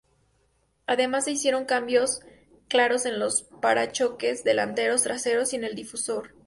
Además se hicieron cambios claros en los parachoques delanteros, traseros y en el difusor.